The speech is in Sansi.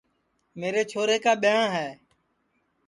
میرے چھورے کُا ٻیاں ہے